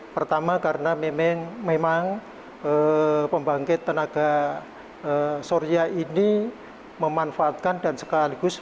pertama karena memang pembangkit tenaga surya ini memanfaatkan dan sekaligus